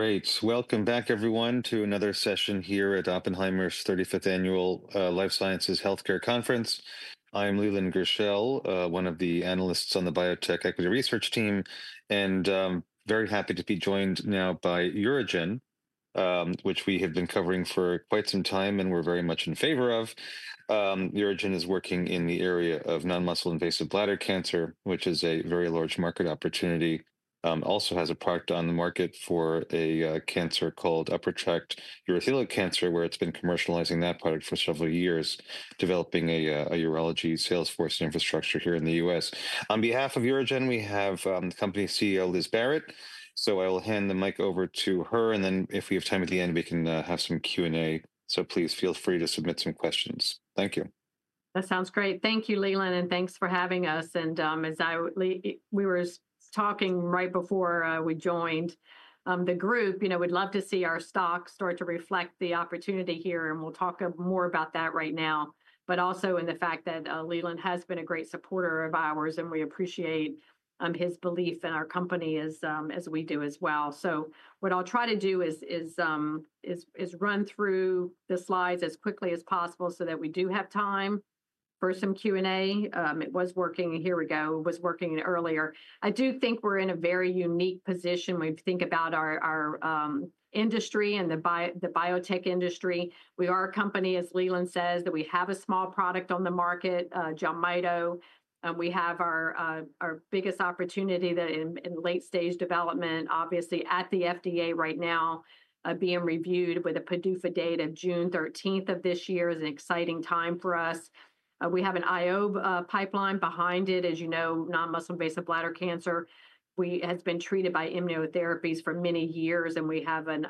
Great. Welcome back, everyone, to another session here at Oppenheimer's 35th Annual Life Sciences Healthcare Conference. I'm Leland Gershell, one of the analysts on the Biotech Equity Research Team, and very happy to be joined now by UroGen, which we have been covering for quite some time and we're very much in favor of. UroGen is working in the area of non-muscle invasive bladder cancer, which is a very large market opportunity. Also has a product on the market for a cancer called upper tract urothelial cancer, where it's been commercializing that product for several years, developing a urology sales force infrastructure here in the US. On behalf of UroGen, we have the company CEO, Liz Barrett, so I will hand the mic over to her, and then if we have time at the end, we can have some Q&A, so please feel free to submit some questions. Thank you. That sounds great. Thank you, Leland, and thanks for having us, and as we were talking right before we joined the group, you know, we'd love to see our stock start to reflect the opportunity here, and we'll talk more about that right now, but also in the fact that Leland has been a great supporter of ours, and we appreciate his belief in our company as we do as well, so what I'll try to do is run through the slides as quickly as possible so that we do have time for some Q&A. It was working, here we go, it was working earlier. I do think we're in a very unique position when we think about our industry and the biotech industry. Our company, as Leland says, that we have a small product on the market, Jelmyto, and we have our biggest opportunity that in late-stage development, obviously at the FDA right now, being reviewed with a PDUFA date of June 13th of this year is an exciting time for us. We have an IO pipeline behind it, as you know, non-muscle invasive bladder cancer. We have been treated by immunotherapies for many years, and we have an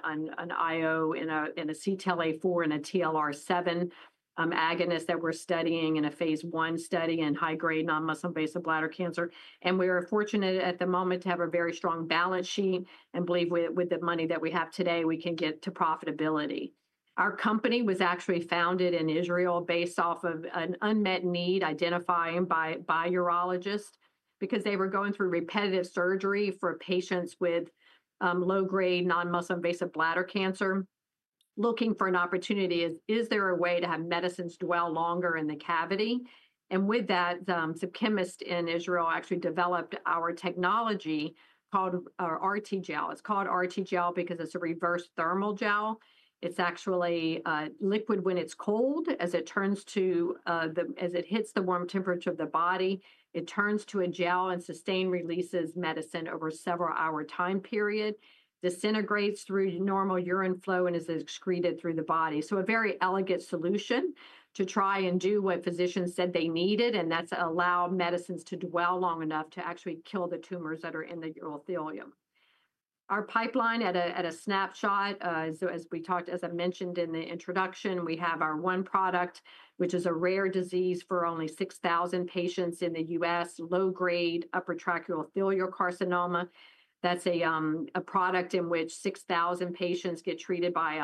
IO in a CTLA-4 and a TLR7 agonist that we're studying in a phase one study in high-grade non-muscle invasive bladder cancer. We are fortunate at the moment to have a very strong balance sheet and believe with the money that we have today, we can get to profitability. Our company was actually founded in Israel based off of an unmet need identified by a urologist because they were going through repetitive surgery for patients with low-grade non-muscle invasive bladder cancer, looking for an opportunity. Is there a way to have medicines dwell longer in the cavity? And with that, some chemists in Israel actually developed our technology called our RTGel. It's called RTGel because it's a reverse thermal gel. It's actually liquid when it's cold. As it hits the warm temperature of the body, it turns to a gel and sustained releases medicine over a several-hour time period, disintegrates through normal urine flow, and is excreted through the body, so a very elegant solution to try and do what physicians said they needed, and that's allow medicines to dwell long enough to actually kill the tumors that are in the urothelium. Our pipeline, at a snapshot, as we talked, as I mentioned in the introduction, we have our one product, which is a rare disease for only 6,000 patients in the US, low-grade upper tract urothelial carcinoma. That's a product in which 6,000 patients get treated by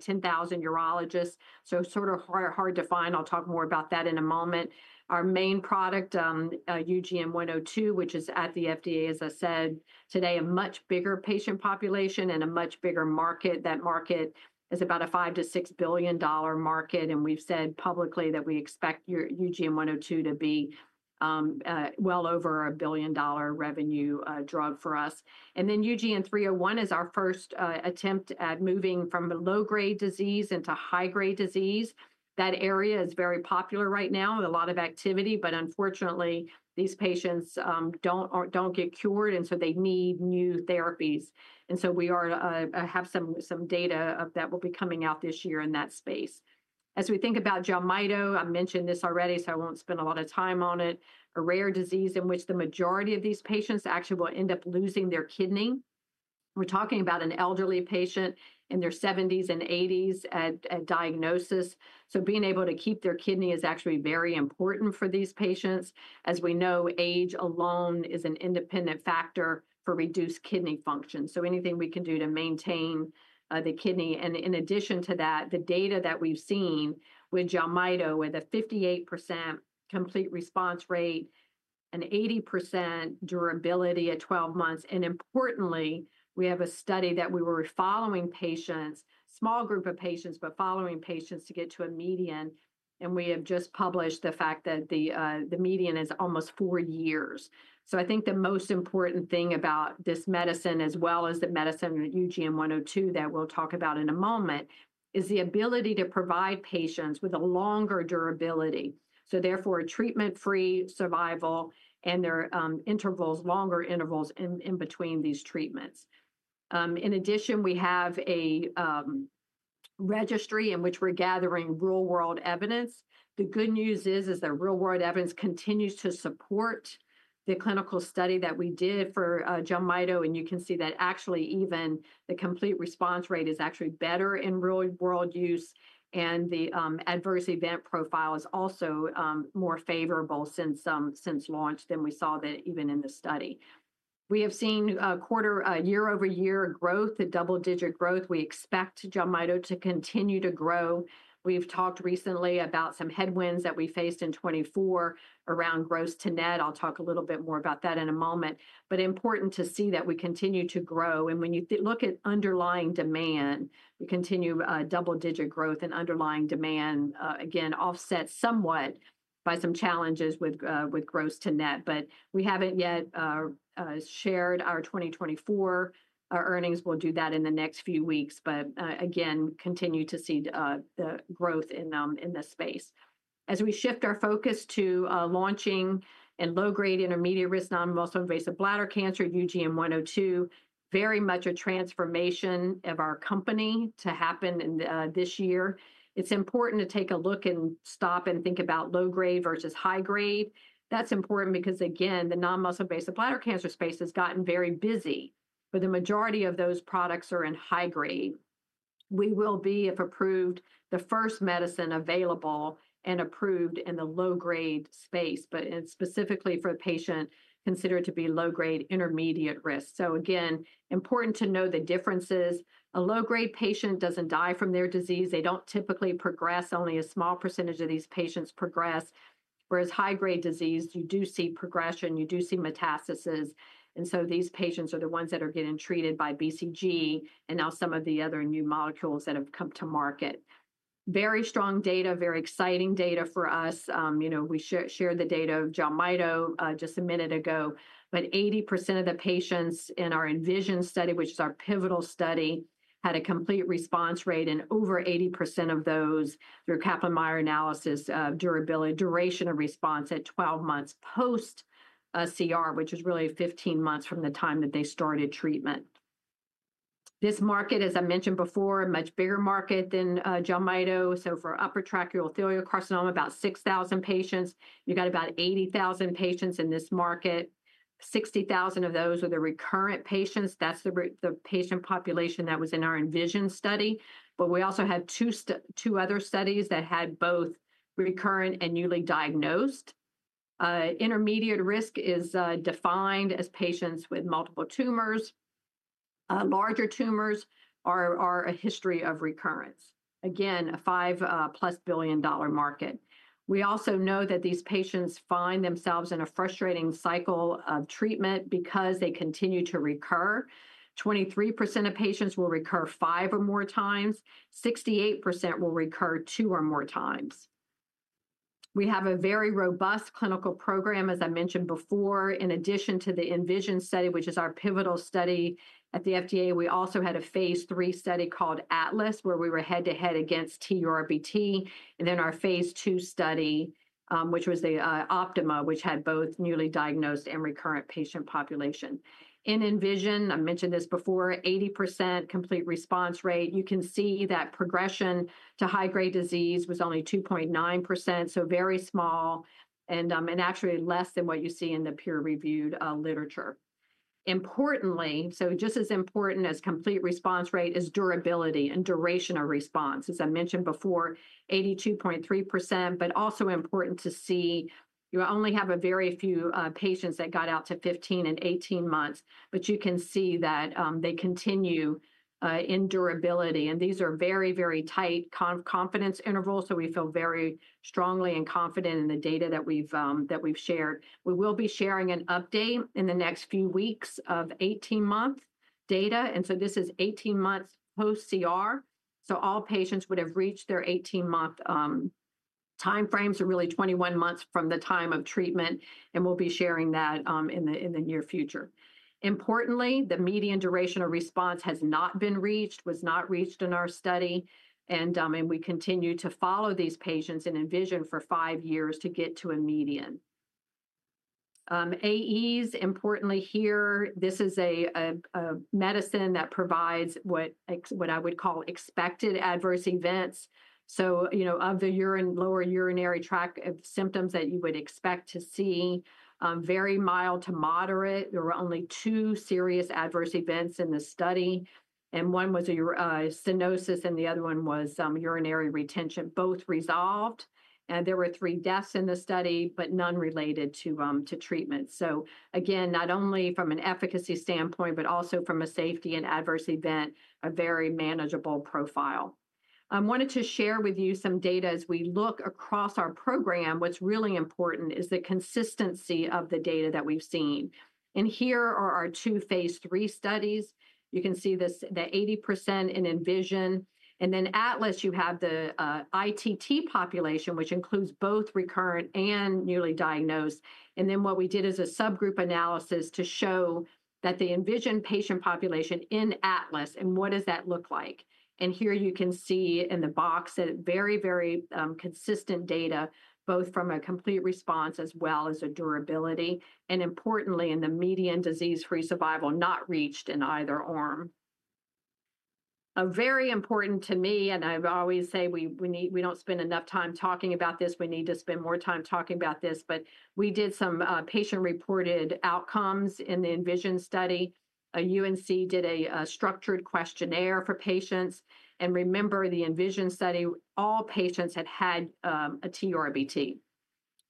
10,000 urologists. So sort of hard to find. I'll talk more about that in a moment. Our main product, UGN-102, which is at the FDA, as I said today, a much bigger patient population and a much bigger market. That market is about a $5-$6 billion market, and we've said publicly that we expect UGN-102 to be well over a billion-dollar revenue drug for us. And then UGN-301 is our first attempt at moving from a low-grade disease into high-grade disease. That area is very popular right now, a lot of activity, but unfortunately, these patients don't get cured, and so they need new therapies, and so we have some data that will be coming out this year in that space. As we think about Jelmyto, I mentioned this already, so I won't spend a lot of time on it, a rare disease in which the majority of these patients actually will end up losing their kidney. We're talking about an elderly patient in their 70s and 80s at diagnosis. So being able to keep their kidney is actually very important for these patients. As we know, age alone is an independent factor for reduced kidney function, so anything we can do to maintain the kidney. And in addition to that, the data that we've seen with Jelmyto, with a 58% complete response rate, an 80% durability at 12 months, and importantly, we have a study that we were following patients, small group of patients, but following patients to get to a median, and we have just published the fact that the median is almost four years. So I think the most important thing about this medicine, as well as the medicine UGN-102 that we'll talk about in a moment, is the ability to provide patients with a longer durability. So therefore, treatment-free survival and their intervals, longer intervals in between these treatments. In addition, we have a registry in which we're gathering real-world evidence. The good news is that real-world evidence continues to support the clinical study that we did for Jelmyto, and you can see that actually even the complete response rate is actually better in real-world use, and the adverse event profile is also more favorable since launch than we saw that even in the study. We have seen a quarter year-over-year growth, a double-digit growth. We expect Jelmyto to continue to grow. We've talked recently about some headwinds that we faced in 2024 around gross-to-net. I'll talk a little bit more about that in a moment, but important to see that we continue to grow. And when you look at underlying demand, we continue double-digit growth, and underlying demand again offsets somewhat by some challenges with gross-to-net, but we haven't yet shared our 2024 earnings. We'll do that in the next few weeks, but again, continue to see the growth in this space. As we shift our focus to launching in low-grade, intermediate-risk, non-muscle invasive bladder cancer, UGN-102, very much a transformation of our company to happen this year. It's important to take a look and stop and think about low-grade versus high-grade. That's important because, again, the non-muscle invasive bladder cancer space has gotten very busy, but the majority of those products are in high-grade. We will be, if approved, the first medicine available and approved in the low-grade space, but specifically for a patient considered to be low-grade, intermediate-risk. So again, important to know the differences. A low-grade patient doesn't die from their disease. They don't typically progress. Only a small percentage of these patients progress. Whereas high-grade disease, you do see progression, you do see metastasis. And so these patients are the ones that are getting treated by BCG and now some of the other new molecules that have come to market. Very strong data, very exciting data for us. You know, we shared the data of Jelmyto just a minute ago, but 80% of the patients in our Envision study, which is our pivotal study, had a complete response rate, and over 80% of those through Kaplan-Meier analysis of durability, duration of response at 12 months post-CR, which is really 15 months from the time that they started treatment. This market, as I mentioned before, a much bigger market than Jelmyto. So for upper tract urothelial carcinoma, about 6,000 patients, you got about 80,000 patients in this market. 60,000 of those were the recurrent patients. That's the patient population that was in our Envision study. But we also had two other studies that had both recurrent and newly diagnosed. Intermediate risk is defined as patients with multiple tumors. Larger tumors are a history of recurrence. Again, a $5-plus billion market. We also know that these patients find themselves in a frustrating cycle of treatment because they continue to recur. 23% of patients will recur five or more times. 68% will recur two or more times. We have a very robust clinical program, as I mentioned before. In addition to the Envision study, which is our pivotal study at the FDA, we also had a phase 3 study called Atlas, where we were head-to-head against TURBT, and then our phase 2 study, which was the Optima, which had both newly diagnosed and recurrent patient population. In Envision, I mentioned this before, 80% complete response rate. You can see that progression to high-grade disease was only 2.9%, so very small and actually less than what you see in the peer-reviewed literature. Importantly, so just as important as complete response rate is durability and duration of response. As I mentioned before, 82.3%, but also important to see, you only have very few patients that got out to 15 and 18 months, but you can see that they continue in durability, and these are very, very tight confidence intervals, so we feel very strongly and confident in the data that we've shared. We will be sharing an update in the next few weeks of 18-month data, and so this is 18 months post-CR, so all patients would have reached their 18-month timeframes, or really 21 months from the time of treatment, and we'll be sharing that in the near future. Importantly, the median duration of response has not been reached, was not reached in our study, and we continue to follow these patients in Envision for five years to get to a median. AEs, importantly here, this is a medicine that provides what I would call expected adverse events. So, you know, of the lower urinary tract symptoms that you would expect to see, very mild to moderate. There were only two serious adverse events in the study, and one was stenosis, and the other one was urinary retention. Both resolved, and there were three deaths in the study, but none related to treatment. Again, not only from an efficacy standpoint, but also from a safety and adverse event, a very manageable profile. I wanted to share with you some data as we look across our program. What's really important is the consistency of the data that we've seen. And here are our two phase three studies. You can see the 80% in Envision. And then Atlas, you have the ITT population, which includes both recurrent and newly diagnosed. And then what we did is a subgroup analysis to show that the Envision patient population in Atlas, and what does that look like? And here you can see in the box that very, very consistent data, both from a complete response as well as a durability. And importantly, in the median disease-free survival, not reached in either arm. A very important to me, and I always say we don't spend enough time talking about this. We need to spend more time talking about this, but we did some patient-reported outcomes in the Envision study. UNC did a structured questionnaire for patients. And remember, the Envision study, all patients had had a TURBT.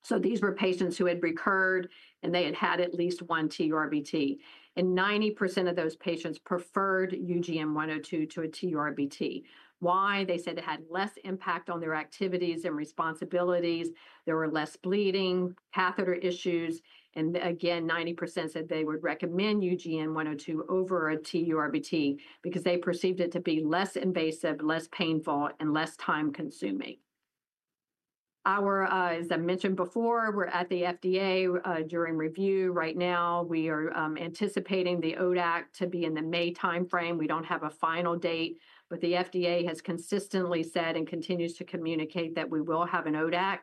So these were patients who had recurred, and they had had at least one TURBT. And 90% of those patients preferred UGN-102 to a TURBT. Why? They said it had less impact on their activities and responsibilities. There were less bleeding, catheter issues. And again, 90% said they would recommend UGN-102 over a TURBT because they perceived it to be less invasive, less painful, and less time-consuming. Our, as I mentioned before, we're at the FDA during review. Right now, we are anticipating the ODAC to be in the May timeframe. We don't have a final date, but the FDA has consistently said and continues to communicate that we will have an ODAC.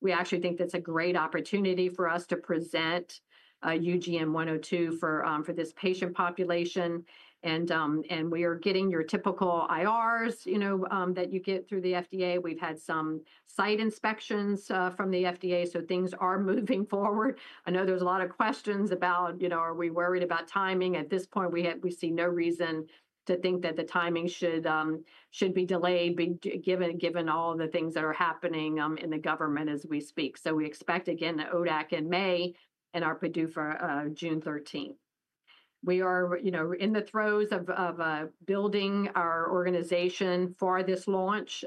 We actually think that's a great opportunity for us to present UGN-102 for this patient population. And we are getting your typical IRs, you know, that you get through the FDA. We've had some site inspections from the FDA, so things are moving forward. I know there's a lot of questions about, you know, are we worried about timing? At this point, we see no reason to think that the timing should be delayed given all the things that are happening in the government as we speak. So we expect, again, the ODAC in May and our PDU for June 13th. We are, you know, in the throes of building our organization for this launch.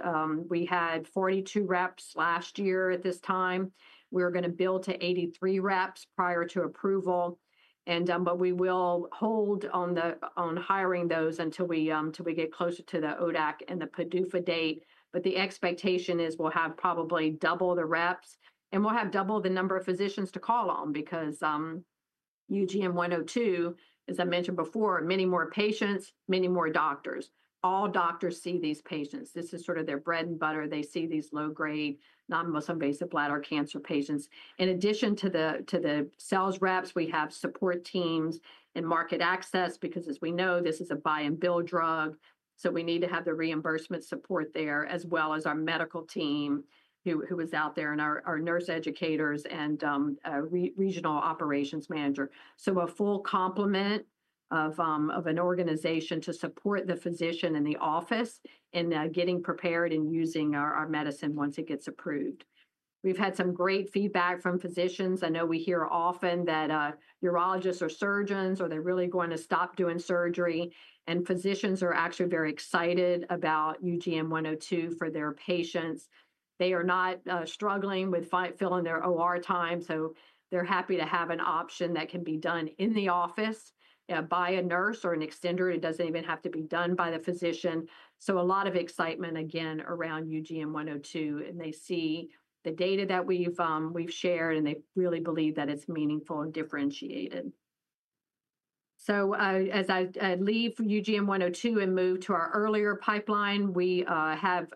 We had 42 reps last year at this time. We were going to build to 83 reps prior to approval, but we will hold on hiring those until we get closer to the ODAC and the PDUFA date. But the expectation is we'll have probably double the reps, and we'll have double the number of physicians to call on because UGN-102, as I mentioned before, many more patients, many more doctors. All doctors see these patients. This is sort of their bread and butter. They see these low-grade non-muscle invasive bladder cancer patients. In addition to the sales reps, we have support teams and market access because, as we know, this is a buy-and-bill drug. So we need to have the reimbursement support there, as well as our medical team who is out there and our nurse educators and regional operations manager. So a full complement of an organization to support the physician and the office in getting prepared and using our medicine once it gets approved. We've had some great feedback from physicians. I know we hear often that urologists or surgeons are really going to stop doing surgery, and physicians are actually very excited about UGN-102 for their patients. They are not struggling with filling their OR time, so they're happy to have an option that can be done in the office by a nurse or an extender. It doesn't even have to be done by the physician. So a lot of excitement, again, around UGN-102, and they see the data that we've shared, and they really believe that it's meaningful and differentiated. So as I leave UGN-102 and move to our earlier pipeline, we have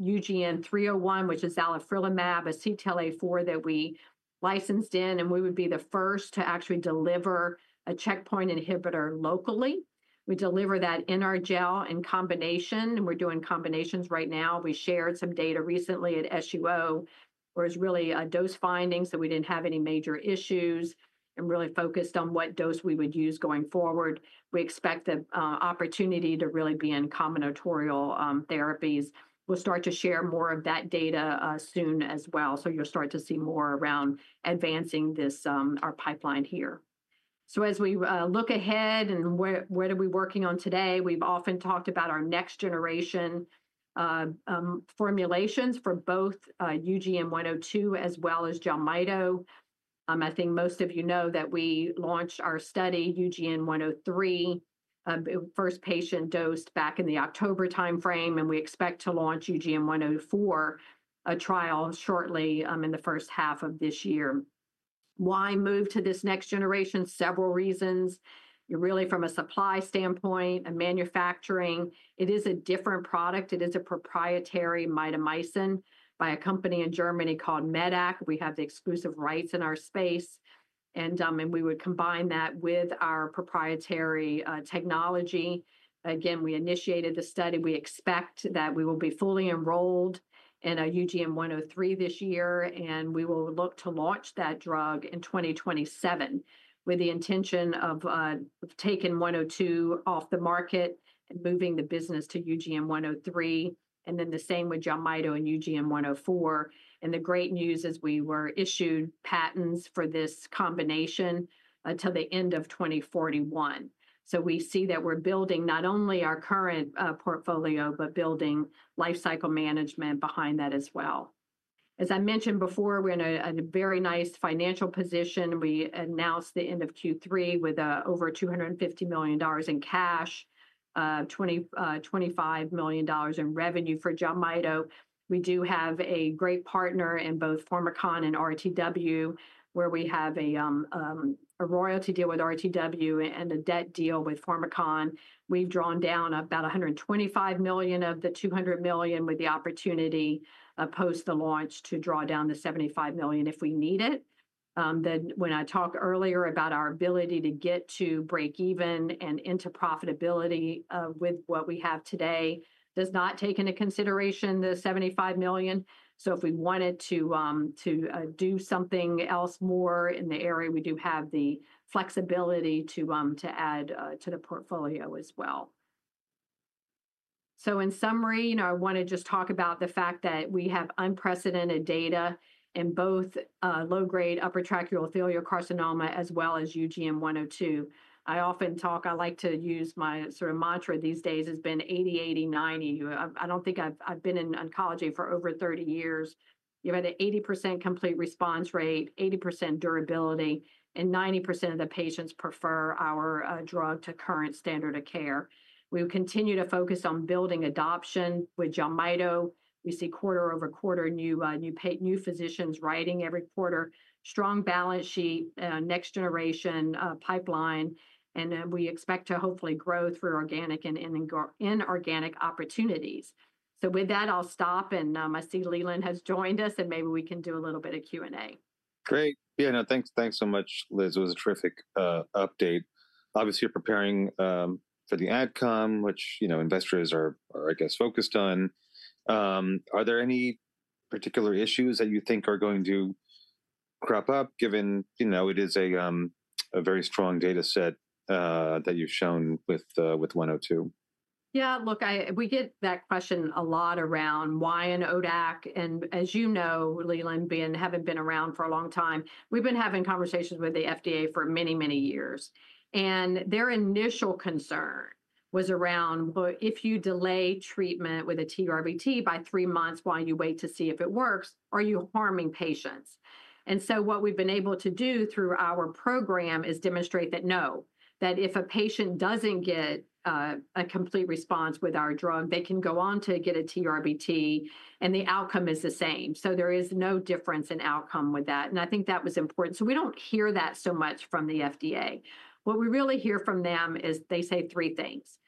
UGN-301, which is zalifrelimab, a CTLA-4 that we licensed in, and we would be the first to actually deliver a checkpoint inhibitor locally. We deliver that in our gel in combination, and we're doing combinations right now. We shared some data recently at SUO, where it was really a dose finding, so we didn't have any major issues and really focused on what dose we would use going forward. We expect the opportunity to really be in combinatorial therapies. We'll start to share more of that data soon as well, so you'll start to see more around advancing our pipeline here. As we look ahead and what are we working on today, we've often talked about our next generation formulations for both UGN-102 as well as Jelmyto. I think most of you know that we launched our study, UGN-103, first patient dosed back in the October timeframe, and we expect to launch UGN-104, a trial shortly in the first half of this year. Why move to this next generation? Several reasons. You're really from a supply standpoint, a manufacturing. It is a different product. It is a proprietary mitomycin by a company in Germany called Medac. We have the exclusive rights in our space, and we would combine that with our proprietary technology. Again, we initiated the study. We expect that we will be fully enrolled in UGN-103 this year, and we will look to launch that drug in 2027 with the intention of taking UGN-102 off the market and moving the business to UGN-103, and then the same with Jelmyto and UGN-104, and the great news is we were issued patents for this combination until the end of 2041, so we see that we're building not only our current portfolio, but building lifecycle management behind that as well. As I mentioned before, we're in a very nice financial position. We announced the end of Q3 with over $250 million in cash, $25 million in revenue for Jelmyto. We do have a great partner in both Pharmakon and RTW, where we have a royalty deal with RTW and a debt deal with Pharmakon. We've drawn down about $125 million of the $200 million with the opportunity post the launch to draw down the $75 million if we need it. Then when I talked earlier about our ability to get to break even and into profitability with what we have today, it does not take into consideration the $75 million. So if we wanted to do something else more in the area, we do have the flexibility to add to the portfolio as well. So in summary, you know, I want to just talk about the fact that we have unprecedented data in both low-grade upper tract urothelial carcinoma as well as UGN-102. I often talk, I like to use my sort of mantra these days, has been 80, 80, 90. I don't think I've been in oncology for over 30 years. You have an 80% complete response rate, 80% durability, and 90% of the patients prefer our drug to current standard of care. We will continue to focus on building adoption with Jelmyto. We see quarter-over-quarter new physicians writing every quarter, strong balance sheet, next generation pipeline, and we expect to hopefully grow through organic and inorganic opportunities. So with that, I'll stop, and I see Leland has joined us, and maybe we can do a little bit of Q&A. Great. Y eah, no, thanks so much, Liz. It was a terrific update. Obviously, you're preparing for the adcom, which, you know, investors are, I guess, focused on. Are there any particular issues that you think are going to crop up given, you know, it is a very strong data set that you've shown with 102? Yeah, look, we get that question a lot around why an ODAC. And as you know, Leland, having been around for a long time, we've been having conversations with the FDA for many, many years. And their initial concern was around, well, if you delay treatment with a TURBT by three months while you wait to see if it works, are you harming patients? And so what we've been able to do through our program is demonstrate that no, that if a patient doesn't get a complete response with our drug, they can go on to get a TURBT, and the outcome is the same. So there is no difference in outcome with that. And I think that was important. So we don't hear that so much from the FDA. What we really hear from them is they say three things.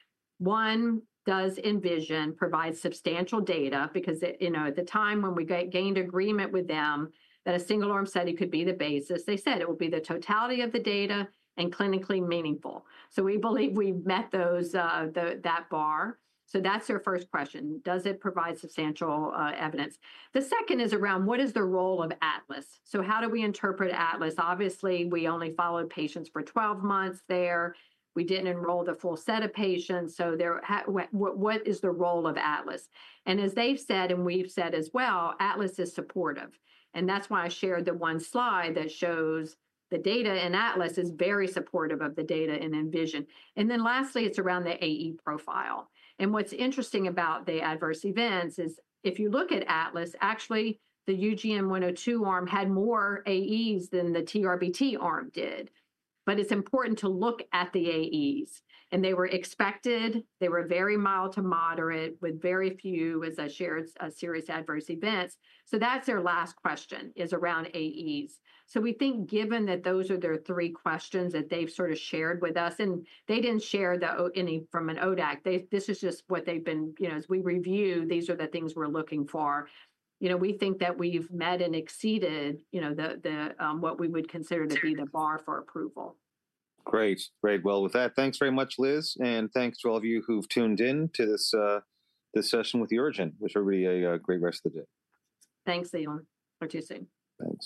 One, does Envision provide substantial data because, you know, at the time when we gained agreement with them that a single arm study could be the basis, they said it will be the totality of the data and clinically meaningful. So we believe we met that bar. So that's your first question. Does it provide substantial evidence? The second is around what is the role of Atlas? So how do we interpret Atlas? Obviously, we only followed patients for 12 months there. We didn't enroll the full set of patients. So what is the role of Atlas? And as they've said, and we've said as well, Atlas is supportive. And that's why I shared the one slide that shows the data, and Atlas is very supportive of the data in Envision. And then lastly, it's around the AE profile. And what's interesting about the adverse events is if you look at Atlas, actually the UGN-102 arm had more AEs than the TURBT arm did. But it's important to look at the AEs. And they were expected. They were very mild to moderate with very few, as I shared, serious adverse events. So that's their last question, around AEs. So we think given that those are their three questions that they've sort of shared with us, and they didn't share any from an ODAC, this is just what they've been, you know, as we review, these are the things we're looking for. You know, we think that we've met and exceeded, you know, what we would consider to be the bar for approval. Great. Great. Well, with that, thanks very much, Liz, and thanks to all of you who've tuned in to this session with UroGen. Wish everybody a great rest of the day. Thanks, Leland. Talk to you soon. T hanks.